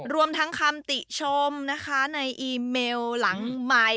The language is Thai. รวมทั้งคำติชมนะคะในอีเมลหลังใหม่